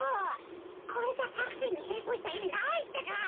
これじゃタクシーにへんそうしたいみないってか！